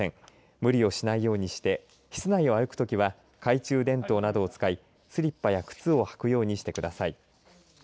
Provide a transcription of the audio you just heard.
無理をしないようにして室内を歩くときは懐中電灯などを使いスリッパや靴を履くようにしてください。